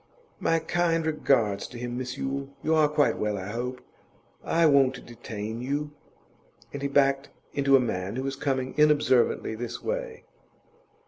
'My kind regards to him, Miss Yule. You are quite well, I hope? I won't detain you.' And he backed into a man who was coming inobservantly this way.